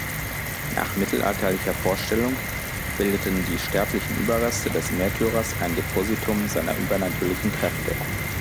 Nach mittelalterlicher Vorstellung bildeten die sterblichen Überreste des Märtyrers ein Depositum seiner übernatürlichen Kräfte.